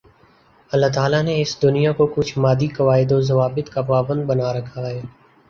اللہ تعالیٰ نے اس دنیا کو کچھ مادی قواعد و ضوابط کا پابند بنا رکھا ہے